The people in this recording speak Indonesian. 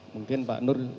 mungkin pak nur